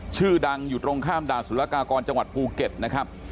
ชื่อดังอยู่ตรงข้ามด่านสุรกากรจังหวัดภูเก็ตนะครับ